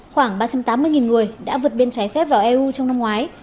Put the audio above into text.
khoảng ba trăm tám mươi người đã vượt biên trái phép vào eu trong năm ngoái